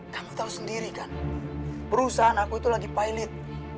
kamu tahu sendiri kan perusahaan aku itu lagi pilot